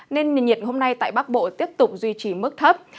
nên nền nhiệt hôm nay tại bắc bộ tiếp tục duy trì mức thấp